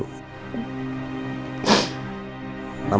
mama jangan lupa makan